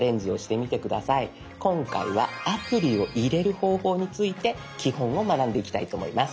今回はアプリを入れる方法について基本を学んでいきたいと思います。